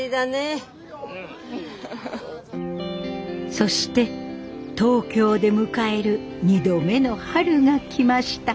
そして東京で迎える２度目の春が来ました。